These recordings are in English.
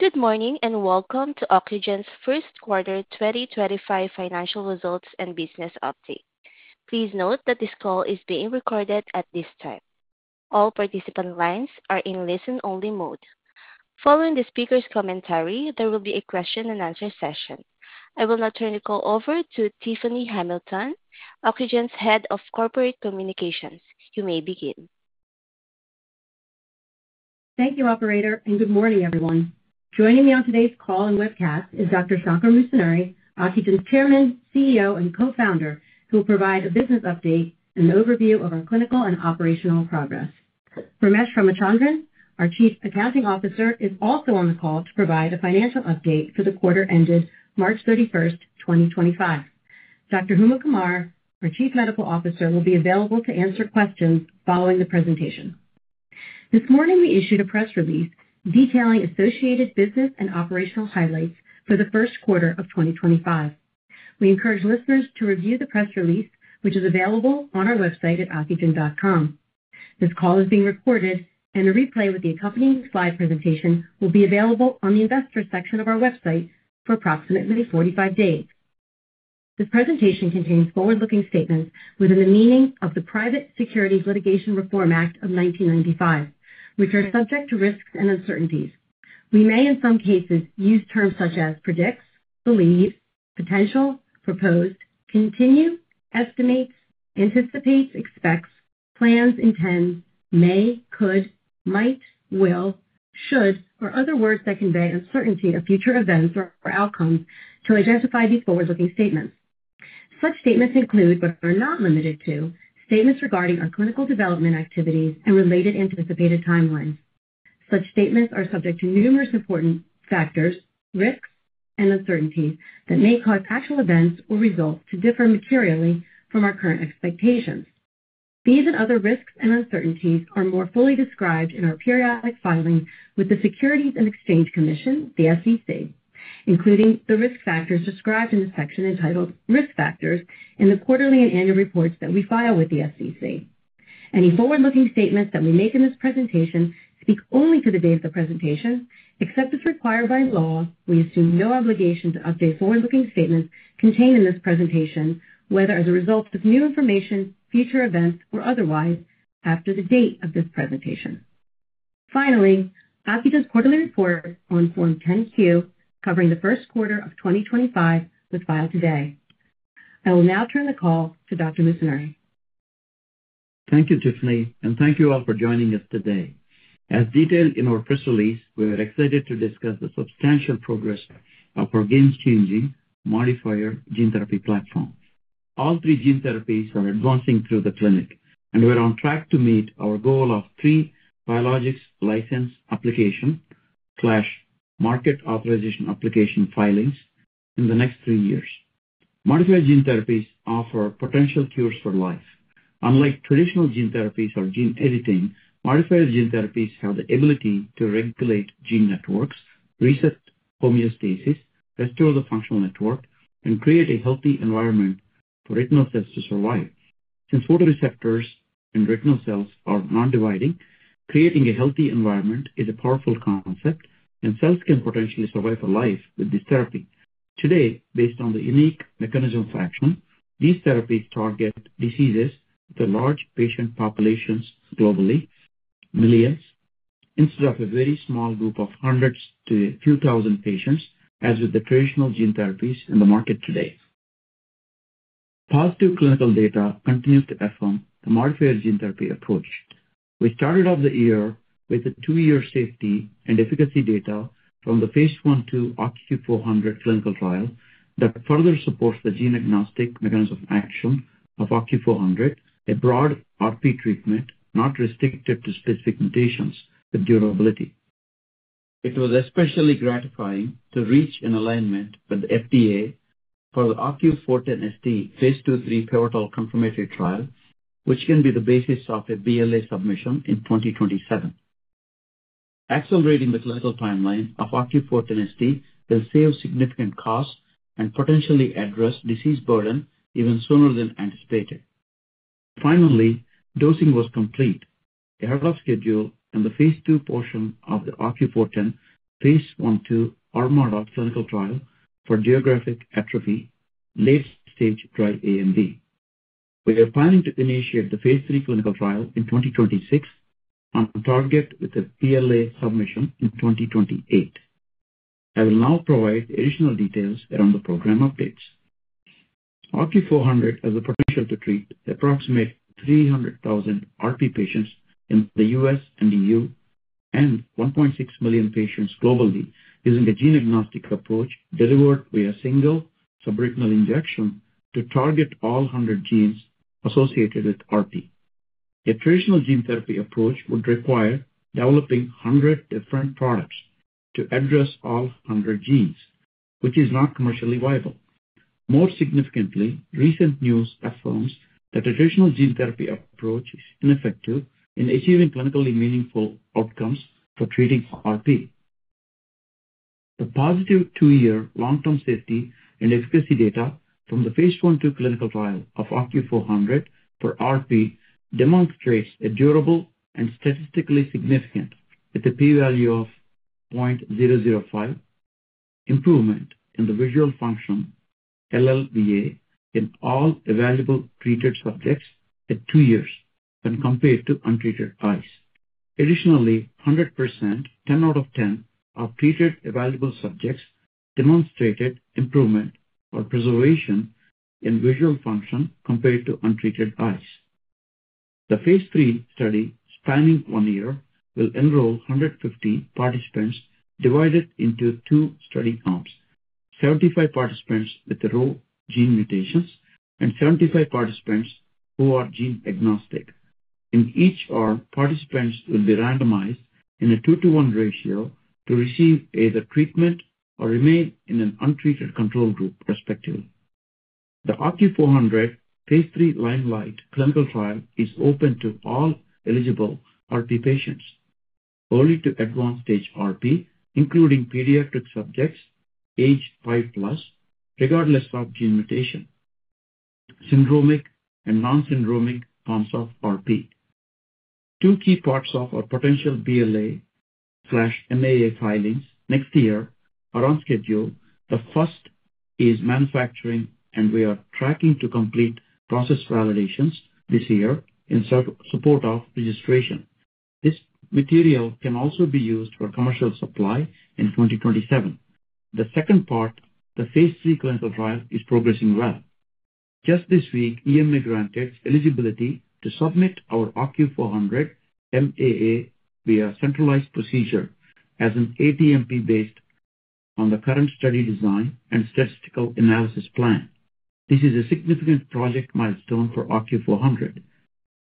Good morning and welcome to Ocugen's first quarter 2025 financial results and business update. Please note that this call is being recorded at this time. All participant lines are in listen-only mode. Following the speaker's commentary, there will be a question-and-answer session. I will now turn the call over to Tiffany Hamilton, Ocugen's Head of Corporate Communications. You may begin. Thank you, Operator, and good morning, everyone. Joining me on today's call and webcast is Dr. Shankar Musunuri, Ocugen's Chairman, CEO, and co-founder, who will provide a business update and an overview of our clinical and operational progress. Ramesh Ramachandran, our Chief Accounting Officer, is also on the call to provide a financial update for the quarter ended March 31, 2025. Dr. Huma Qamar, our Chief Medical Officer, will be available to answer questions following the presentation. This morning, we issued a press release detailing associated business and operational highlights for the first quarter of 2025. We encourage listeners to review the press release, which is available on our website at ocugen.com. This call is being recorded, and a replay with the accompanying slide presentation will be available on the investor section of our website for approximately 45 days. This presentation contains forward-looking statements within the meaning of the Private Securities Litigation Reform Act of 1995, which are subject to risks and uncertainties. We may, in some cases, use terms such as predicts, believes, potential, proposed, continue, estimates, anticipates, expects, plans, intends, may, could, might, will, should, or other words that convey uncertainty of future events or outcomes to identify these forward-looking statements. Such statements include, but are not limited to, statements regarding our clinical development activities and related anticipated timelines. Such statements are subject to numerous important factors, risks, and uncertainties that may cause actual events or results to differ materially from our current expectations. These and other risks and uncertainties are more fully described in our periodic filing with the Securities and Exchange Commission, the SEC, including the risk factors described in the section entitled Risk Factors in the quarterly and annual reports that we file with the SEC. Any forward-looking statements that we make in this presentation speak only to the date of the presentation. Except as required by law, we assume no obligation to update forward-looking statements contained in this presentation, whether as a result of new information, future events, or otherwise, after the date of this presentation. Finally, Ocugen's quarterly report on Form 10Q covering the first quarter of 2025 was filed today. I will now turn the call to Dr. Musunuri. Thank you, Tiffany, and thank you all for joining us today. As detailed in our press release, we are excited to discuss the substantial progress of our game-changing modifier gene therapy platform. All three gene therapies are advancing through the clinic, and we are on track to meet our goal of three biologics license application/market authorization application filings in the next three years. Modifier gene therapies offer potential cures for life. Unlike traditional gene therapies or gene editing, modifier gene therapies have the ability to regulate gene networks, reset homeostasis, restore the functional network, and create a healthy environment for retinal cells to survive. Since photoreceptors and retinal cells are non-dividing, creating a healthy environment is a powerful concept, and cells can potentially survive for life with this therapy. Today, based on the unique mechanism of action, these therapies target diseases with a large patient population globally, millions, instead of a very small group of hundreds to a few thousand patients, as with the traditional gene therapies in the market today. Positive clinical data continues to affirm the modifier gene therapy approach. We started off the year with a two-year safety and efficacy data from the phase I/II OCU-400 clinical trial that further supports the gene-agnostic mechanism of action of OCU-400, a broad RP treatment not restricted to specific mutations with durability. It was especially gratifying to reach an alignment with the FDA for the OCU-410ST phase II/III parenteral confirmatory trial, which can be the basis of a BLA submission in 2027. Accelerating the clinical timeline of OCU-410ST will save significant costs and potentially address disease burden even sooner than anticipated. Finally, dosing was complete. We are out of schedule in the phase II portion of the OCU-410 phase I/II RMRO clinical trial for geographic atrophy, late-stage dry AMD. We are planning to initiate the phase III clinical trial in 2026 and target with a BLA submission in 2028. I will now provide additional details around the program updates. OCU-400 has the potential to treat approximately 300,000 RP patients in the U.S. and EU and 1.6 million patients globally using a gene-agnostic approach delivered via single subretinal injection to target all 100 genes associated with RP. A traditional gene therapy approach would require developing 100 different products to address all 100 genes, which is not commercially viable. More significantly, recent news affirms that a traditional gene therapy approach is ineffective in achieving clinically meaningful outcomes for treating RP. The positive two-year long-term safety and efficacy data from the phase I-II clinical trial of OCU-400 for RP demonstrates a durable and statistically significant, with a p-value of 0.005, improvement in the visual function (LLVA) in all evaluable treated subjects at two years when compared to untreated eyes. Additionally, 100%, 10 out of 10 of treated evaluable subjects demonstrated improvement or preservation in visual function compared to untreated eyes. The phase III study, spanning one year, will enroll 150 participants divided into two study comps: 75 participants with the row gene mutations and 75 participants who are gene-agnostic. In each, participants will be randomized in a two-to-one ratio to receive either treatment or remain in an untreated control group, respectively. The OCU-400 phase III limelight clinical trial is open to all eligible RP patients, only to advanced stage RP, including pediatric subjects age five plus, regardless of gene mutation, syndromic, and non-syndromic forms of RP. Two key parts of our potential BLA/MAA filings next year are on schedule. The first is manufacturing, and we are tracking to complete process validations this year in support of registration. This material can also be used for commercial supply in 2027. The second part, the phase III clinical trial, is progressing well. Just this week, EMA granted eligibility to submit our OCU-400 MAA via a centralized procedure as an ATMP based on the current study design and statistical analysis plan. This is a significant project milestone for OCU-400.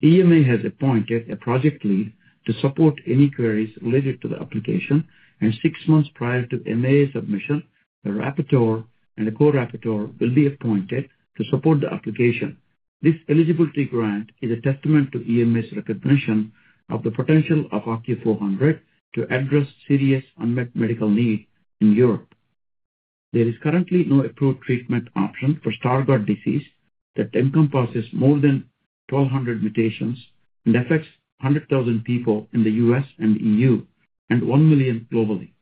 EMA has appointed a project lead to support any queries related to the application, and six months prior to MAA submission, a rapporteur and a co-rapporteur will be appointed to support the application. This eligibility grant is a testament to EMA's recognition of the potential of OCU-400 to address serious unmet medical need in Europe. There is currently no approved treatment option for Stargardt disease that encompasses more than 1,200 mutations and affects 100,000 people in the U.S. and EU and 1 million globally.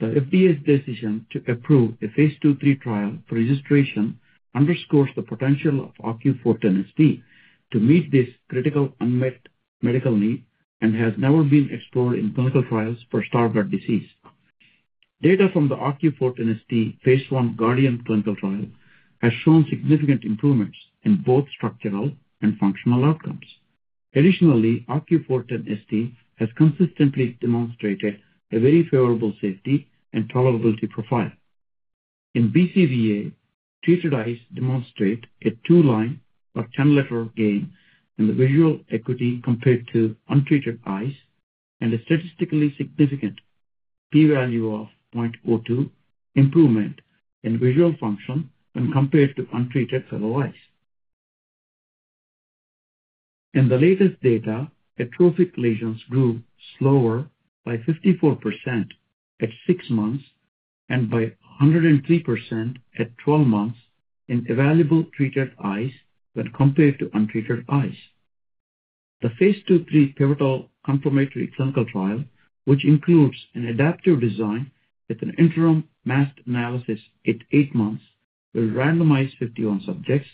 The FDA's decision to approve a phase II-III trial for registration underscores the potential of OCU-410ST to meet this critical unmet medical need and has never been explored in clinical trials for Stargardt disease. Data from the OCU-410ST phase I Guardian clinical trial has shown significant improvements in both structural and functional outcomes. Additionally, OCU-410ST has consistently demonstrated a very favorable safety and tolerability profile. In BCVA, treated eyes demonstrate a two-line or 10-letter gain in the visual acuity compared to untreated eyes and a statistically significant p-value of 0.02 improvement in visual function when compared to untreated fellow eyes. In the latest data, atrophic lesions grew slower by 54% at six months and by 103% at 12 months in evaluable treated eyes when compared to untreated eyes. The phase II-III pivotal confirmatory clinical trial, which includes an adaptive design with an interim mass analysis at eight months, will randomize 51 subjects,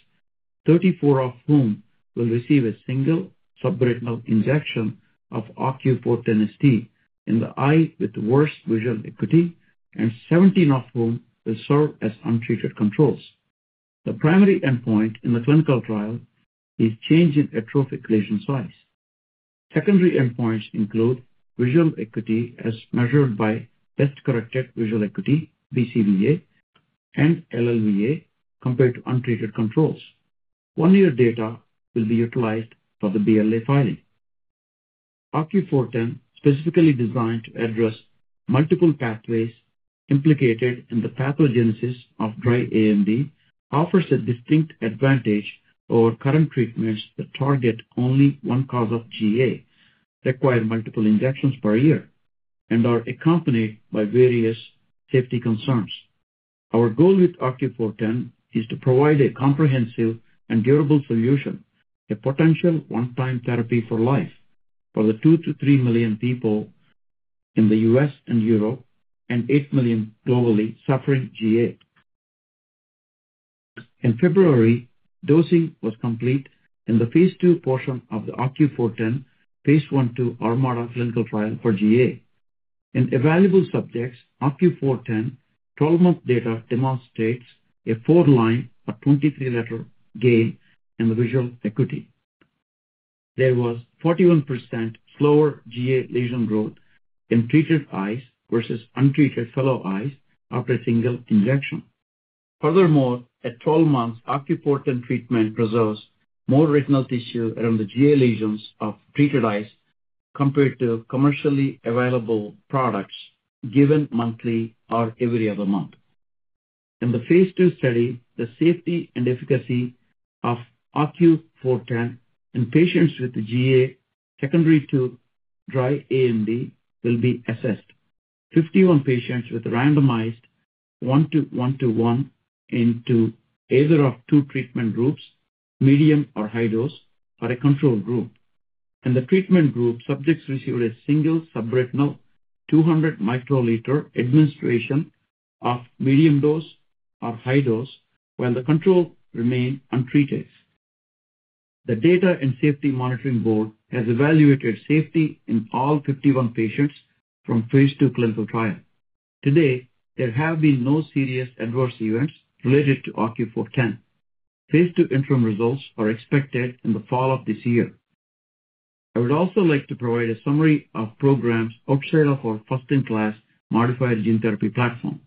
34 of whom will receive a single subretinal injection of OCU-410ST in the eye with worst visual acuity, and 17 of whom will serve as untreated controls. The primary endpoint in the clinical trial is change in atrophic lesion size. Secondary endpoints include visual acuity as measured by best-corrected visual acuity, BCVA, and LLVA compared to untreated controls. One-year data will be utilized for the BLA filing. OCU-410, specifically designed to address multiple pathways implicated in the pathogenesis of dry AMD, offers a distinct advantage over current treatments that target only one cause of GA, require multiple injections per year, and are accompanied by various safety concerns. Our goal with OCU-410 is to provide a comprehensive and durable solution, a potential one-time therapy for life for the 2-3 million people in the U.S. and Europe and 8 million globally suffering GA. In February, dosing was complete in the phase II portion of the OCU-410 phase I-II RMRO clinical trial for GA. In evaluable subjects, OCU-410 12-month data demonstrates a four-line or 23-letter gain in the visual acuity. There was 41% slower GA lesion growth in treated eyes versus untreated fellow eyes after a single injection. Furthermore, at 12 months, OCU-410 treatment preserves more retinal tissue around the GA lesions of treated eyes compared to commercially available products given monthly or every other month. In the phase II study, the safety and efficacy of OCU-410 in patients with GA secondary to dry AMD will be assessed. Fifty-one patients were randomized 1-1-1 into either of two treatment groups, medium or high dose, or a control group. In the treatment group, subjects received a single subretinal 200 microliter administration of medium dose or high dose, while the control remained untreated. The Data and Safety Monitoring Board has evaluated safety in all 51 patients from the phase II clinical trial. Today, there have been no serious adverse events related to OCU-410. Phase II interim results are expected in the fall of this year. I would also like to provide a summary of programs outside of our first-in-class modifier gene therapy platform.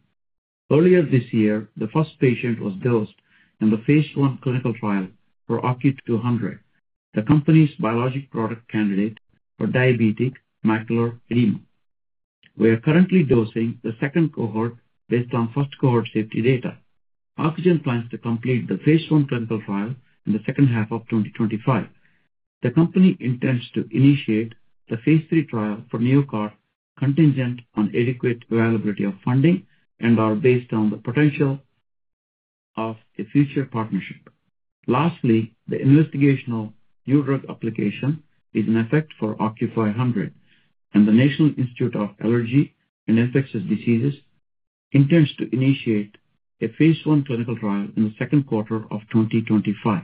Earlier this year, the first patient was dosed in the phase I clinical trial for OCU-200, the company's biologic product candidate for diabetic macular edema. We are currently dosing the second cohort based on first cohort safety data. Ocugen plans to complete the phase I clinical trial in the second half of 2025. The company intends to initiate the phase III trial for NEOCAR, contingent on adequate availability of funding and/or based on the potential of a future partnership. Lastly, the investigational new drug application is in effect for OCU-500, and the National Institute of Allergy and Infectious Diseases intends to initiate a phase I clinical trial in the second quarter of 2025.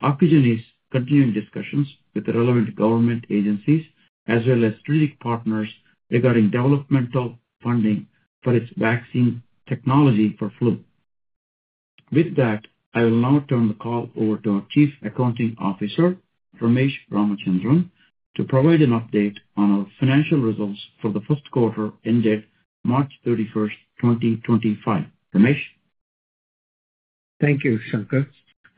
OCUGEN is continuing discussions with the relevant government agencies as well as strategic partners regarding developmental funding for its vaccine technology for flu. With that, I will now turn the call over to our Chief Accounting Officer, Ramesh Ramachandran, to provide an update on our financial results for the first quarter ended March 31, 2025. Ramesh. Thank you, Shankar.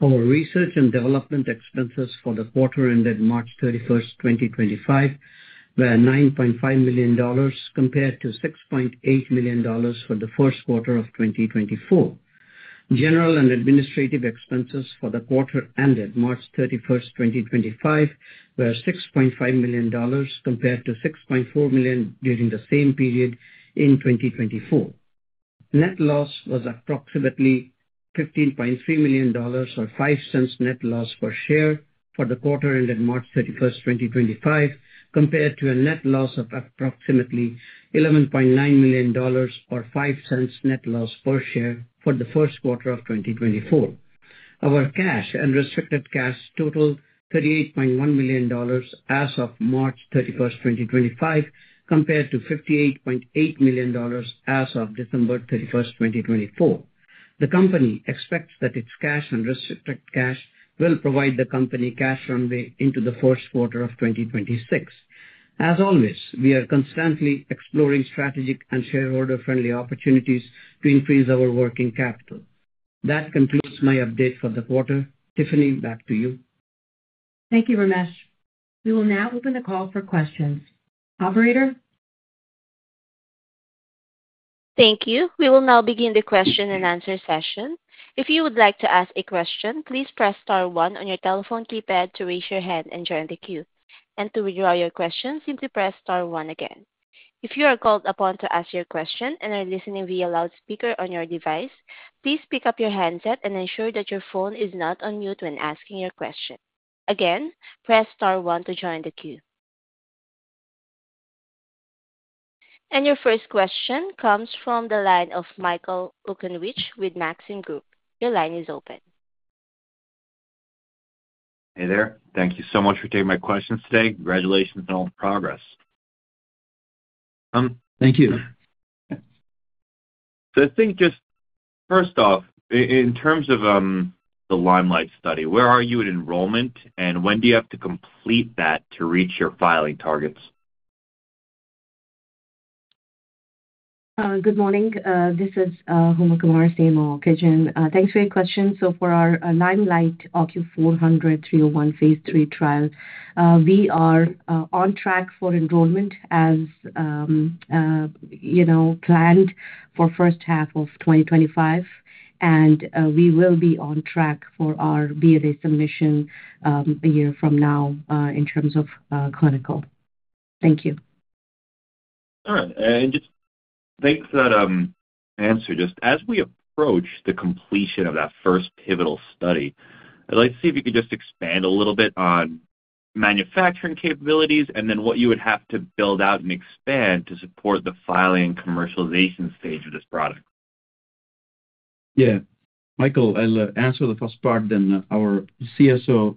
Our research and development expenses for the quarter ended March 31, 2025, were $9.5 million compared to $6.8 million for the first quarter of 2024. General and administrative expenses for the quarter ended March 31, 2025, were $6.5 million compared to $6.4 million during the same period in 2024. Net loss was approximately $15.3 million or $0.05 net loss per share for the quarter ended March 31, 2025, compared to a net loss of approximately $11.9 million or $0.05 net loss per share for the first quarter of 2024. Our cash and restricted cash total $38.1 million as of March 31, 2025, compared to $58.8 million as of December 31, 2024. The company expects that its cash and restricted cash will provide the company cash runway into the first quarter of 2026. As always, we are constantly exploring strategic and shareholder-friendly opportunities to increase our working capital. That concludes my update for the quarter. Tiffany, back to you. Thank you, Ramesh. We will now open the call for questions. Operator? Thank you. We will now begin the question and answer session. If you would like to ask a question, please press star one on your telephone keypad to raise your hand and join the queue. To withdraw your question, simply press star one again. If you are called upon to ask your question and are listening via loudspeaker on your device, please pick up your handset and ensure that your phone is not on mute when asking your question. Again, press star one to join the queue. Your first question comes from the line of Michael Okunewitch with Maxim Group. Your line is open. Hey there. Thank you so much for taking my questions today. Congratulations on all the progress. Thank you. I think just first off, in terms of the limelight study, where are you in enrollment, and when do you have to complete that to reach your filing targets? Good morning. This is Huma Qamar, same Ocugen. Thanks for your question. For our limelight OCU-400 301 phase III trial, we are on track for enrollment as planned for the first half of 2025, and we will be on track for our BLA submission a year from now in terms of clinical. Thank you. All right. Thanks for that answer. Just as we approach the completion of that first pivotal study, I'd like to see if you could just expand a little bit on manufacturing capabilities and then what you would have to build out and expand to support the filing and commercialization stage of this product. Yeah. Michael, I'll answer the first part, then our CSO,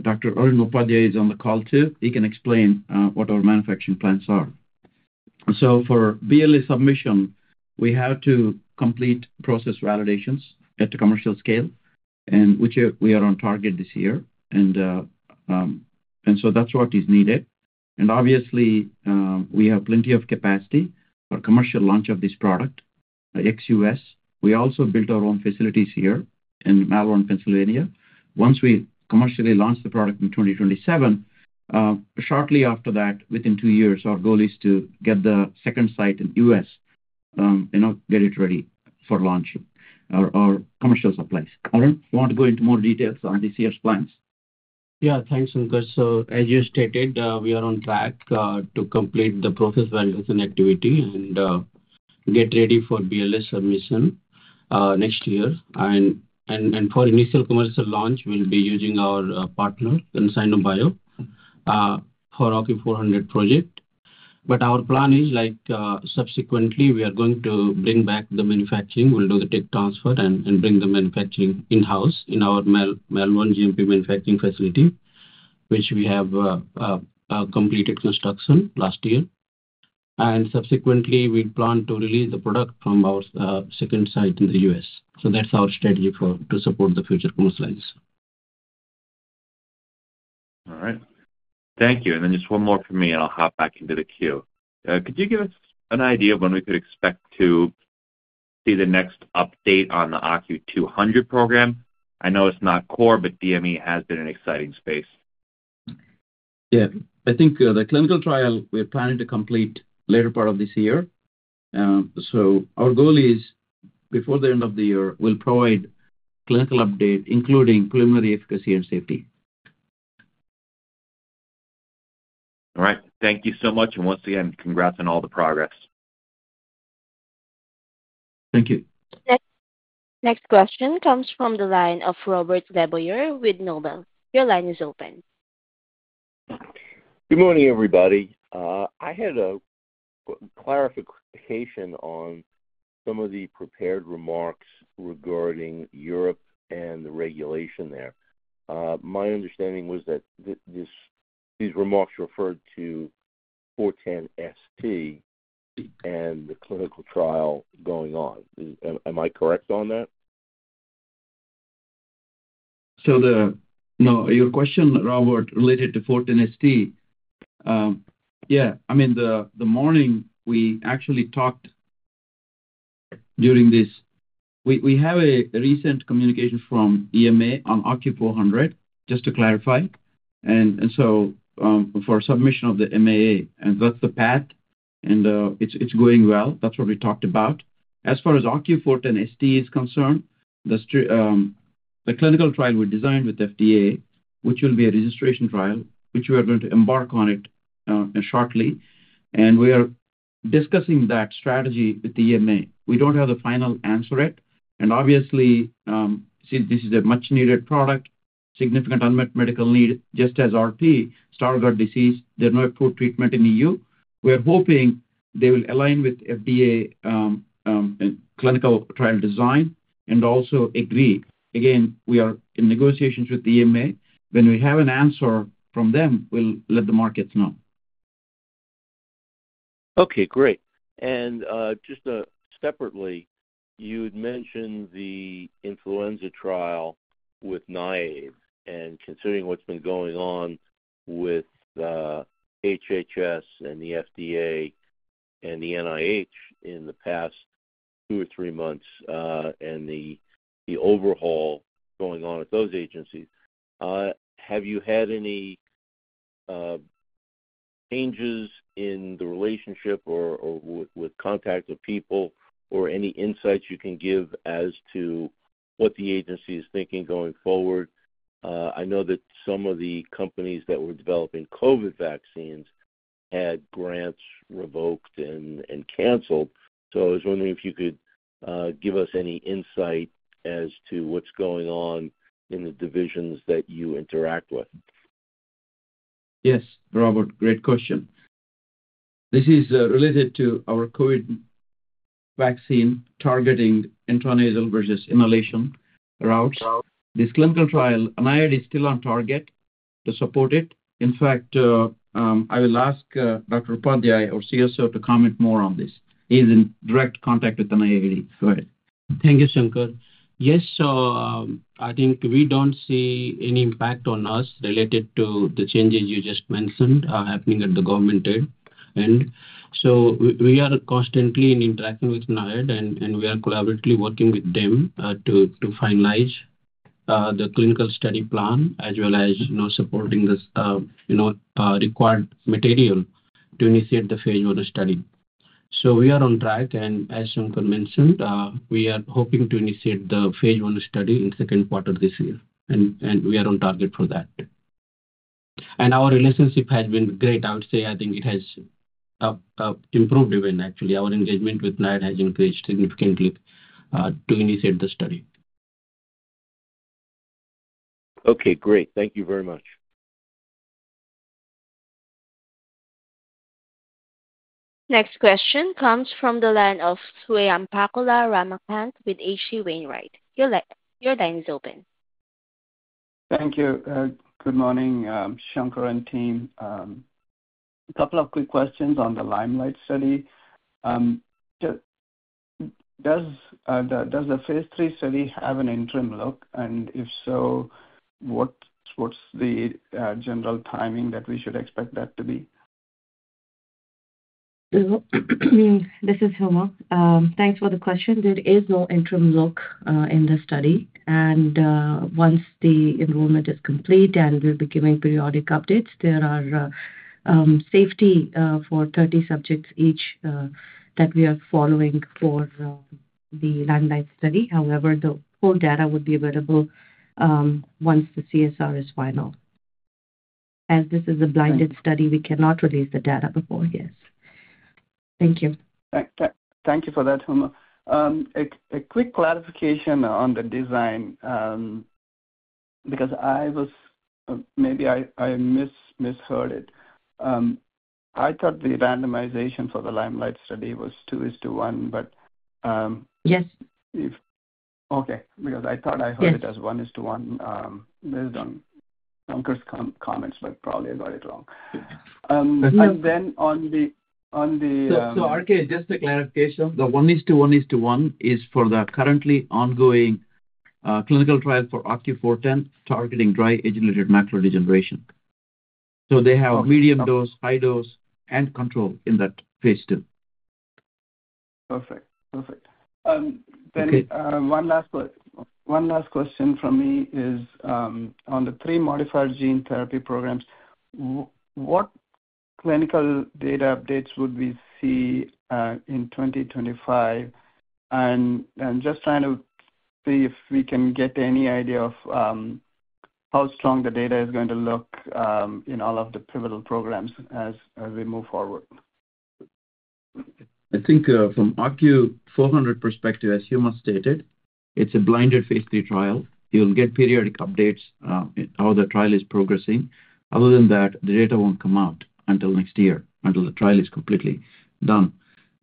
Dr. Arun Upadhyay, is on the call too. He can explain what our manufacturing plans are. For BLA submission, we have to complete process validations at the commercial scale, which we are on target this year. That is what is needed. Obviously, we have plenty of capacity for commercial launch of this product, XUS. We also built our own facilities here in Malvern, Pennsylvania. Once we commercially launch the product in 2027, shortly after that, within two years, our goal is to get the second site in the U.S. and get it ready for launching our commercial supplies. Arun, you want to go into more details on this year's plans? Yeah. Thanks, Shankar. As you stated, we are on track to complete the process validation activity and get ready for BLA submission next year. For initial commercial launch, we will be using our partner, Consigno Bio, for the OCU-400 project. Our plan is, subsequently, we are going to bring back the manufacturing. We'll do the tech transfer and bring the manufacturing in-house in our Malvern GMP manufacturing facility, which we have completed construction last year. Subsequently, we plan to release the product from our second site in the U.S., that's our strategy to support the future commercialization. All right. Thank you. Just one more from me, and I'll hop back into the queue. Could you give us an idea of when we could expect to see the next update on the OCU-200 program? I know it's not core, but DME has been an exciting space. Yeah. I think the clinical trial, we're planning to complete the later part of this year. Our goal is, before the end of the year, we'll provide a clinical update, including preliminary efficacy and safety. All right. Thank you so much. Once again, congrats on all the progress. Thank you. Next question comes from the line of Robert LeBailleur with Nobel. Your line is open. Good morning, everybody. I had a clarification on some of the prepared remarks regarding Europe and the regulation there. My understanding was that these remarks referred to 410-ST and the clinical trial going on. Am I correct on that? Your question, Robert, related to 410-ST, yeah. I mean, the morning we actually talked during this, we have a recent communication from EMA on OCU-400, just to clarify. For submission of the MAA, and that's the path, and it's going well. That's what we talked about. As far as OCU-410ST is concerned, the clinical trial we designed with FDA, which will be a registration trial, which we are going to embark on shortly. We are discussing that strategy with the EMA. We do not have the final answer yet. Obviously, see, this is a much-needed product, significant unmet medical need, just as RP, Stargardt disease. There's no approved treatment in the EU. We are hoping they will align with FDA clinical trial design and also agree. Again, we are in negotiations with the EMA. When we have an answer from them, we'll let the markets know. Okay. Great. Just separately, you had mentioned the influenza trial with NIAID and considering what's been going on with HHS and the FDA and the NIH in the past two or three months and the overhaul going on with those agencies, have you had any changes in the relationship or with contact with people or any insights you can give as to what the agency is thinking going forward? I know that some of the companies that were developing COVID vaccines had grants revoked and canceled. So I was wondering if you could give us any insight as to what's going on in the divisions that you interact with. Yes, Robert. Great question. This is related to our COVID vaccine targeting intranasal versus inhalation routes. This clinical trial, NIAID is still on target to support it. In fact, I will ask Dr. Upadhyay, our CSO, to comment more on this. He's in direct contact with NIAID. Go ahead. Thank you, Shankar. Yes. I think we don't see any impact on us related to the changes you just mentioned happening at the government end. We are constantly in interaction with NIAID, and we are collaboratively working with them to finalize the clinical study plan as well as supporting the required material to initiate the phase I study. We are on track. As Shankar mentioned, we are hoping to initiate the phase I study in the second quarter this year. We are on target for that. Our relationship has been great. I would say I think it has improved even, actually. Our engagement with NIAID has increased significantly to initiate the study. Okay. Great. Thank you very much. Next question comes from the line of Swayampakula Ramakanth with H.C. Wainwright & Co. Your line is open. Thank you. Good morning, Shankar and team. A couple of quick questions on the limelight study. Does the phase III study have an interim look? If so, what's the general timing that we should expect that to be? This is Huma. Thanks for the question. There is no interim look in the study. Once the enrollment is complete and we'll be giving periodic updates, there are safety for 30 subjects each that we are following for the limelight study. However, the full data would be available once the CSR is final. As this is a blinded study, we cannot release the data before. Yes. Thank you. Thank you for that, Huma. A quick clarification on the design, because I was—maybe I misheard it. I thought the randomization for the limelight study was 2:1, but. Yes. Okay. Because I thought I heard it as 1:1 based on Shankar's comments, but probably I got it wrong. Arun K, just a clarification. The 1:1:1 is for the currently ongoing clinical trial for OCU-410 targeting dry age-related macular degeneration. They have medium dose, high dose, and control in that phase II. Perfect. Perfect. One last question from me is on the three modifier gene therapy programs, what clinical data updates would we see in 2025? I am just trying to see if we can get any idea of how strong the data is going to look in all of the pivotal programs as we move forward. I think from OCU-400 perspective, as Huma stated, it is a blinded phase III trial. You will get periodic updates on how the trial is progressing. Other than that, the data will not come out until next year, until the trial is completely done.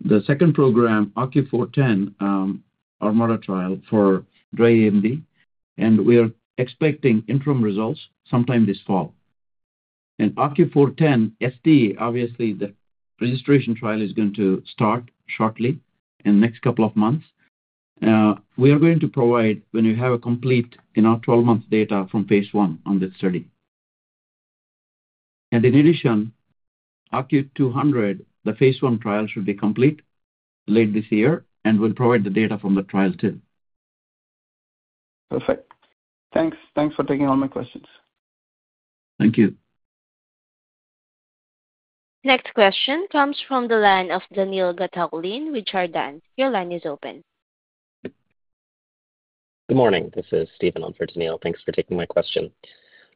The second program, OCU-410, Armarra trial for dry AMD, and we are expecting interim results sometime this fall. OCU-410ST, obviously, the registration trial is going to start shortly in the next couple of months. We are going to provide when we have a complete 12-month data from phase I on this study. In addition, OCU-200, the phase I trial should be complete late this year, and we'll provide the data from the trial too. Perfect. Thanks. Thanks for taking all my questions. Thank you. Next question comes from the line of Daniil V. Gataulin, Chardan Capital Markets. Your line is open. Good morning. This is Stephen on for Daniil. Thanks for taking my question.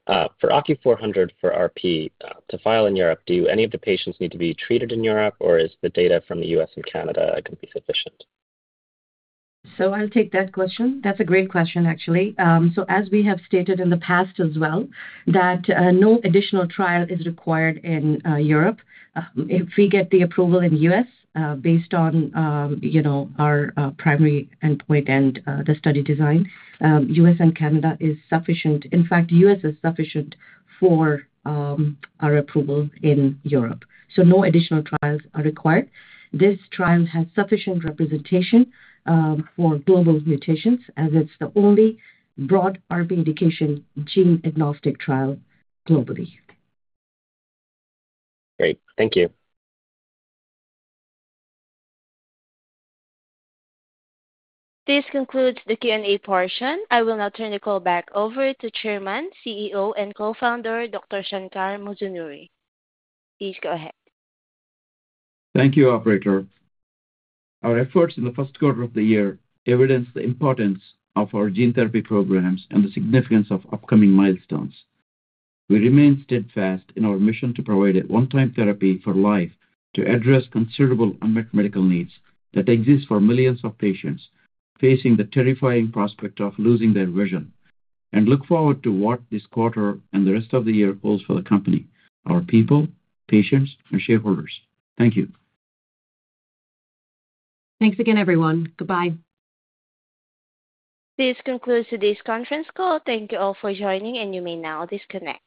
For OCU-400 for RP to file in Europe, do any of the patients need to be treated in Europe, or is the data from the U.S. and Canada going to be sufficient? I'll take that question. That's a great question, actually. As we have stated in the past as well, no additional trial is required in Europe. If we get the approval in the U.S. based on our primary endpoint and the study design, U.S. and Canada is sufficient. In fact, U.S. is sufficient for our approval in Europe. So no additional trials are required. This trial has sufficient representation for global mutations as it's the only broad RP indication gene agnostic trial globally. Great. Thank you. This concludes the Q&A portion. I will now turn the call back over to Chairman, CEO, and co-founder, Dr. Shankar Musunuri. Please go ahead. Thank you, Operator. Our efforts in the first quarter of the year evidence the importance of our gene therapy programs and the significance of upcoming milestones. We remain steadfast in our mission to provide a one-time therapy for life to address considerable unmet medical needs that exist for millions of patients facing the terrifying prospect of losing their vision. And look forward to what this quarter and the rest of the year holds for the company, our people, patients, and shareholders. Thank you. Thanks again, everyone. Goodbye. This concludes today's conference call. Thank you all for joining, and you may now disconnect.